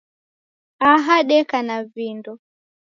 Aha deka na vindo.